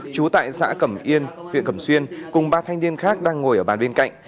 trú tại xã cẩm yên huyện cẩm xuyên cùng ba thanh niên khác đang ngồi ở bàn bên cạnh